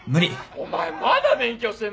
お前まだ勉強してんのか？